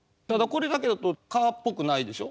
これだけだと蚊っぽくないでしょ。